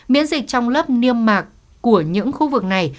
miễn dịch trong lớp niêm mạc của những khu vực này